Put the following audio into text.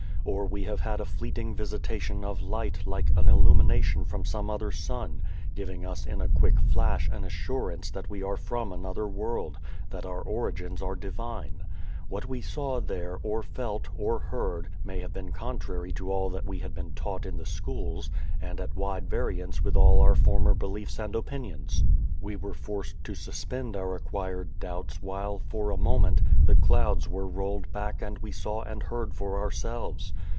Or we have had a fleeting visitation of light like an illumination from some other sun, giving us in a quick flash an assurance that we are from another world, that our origins are divine. What we saw there, or felt, or heard, may have been contrary to all that we had been taught in the schools and at wide variance with all our former beliefs and opinions. We were forced to suspend our acquired doubts while, for a moment, the clouds were rolled back and we saw and heard for ourselves.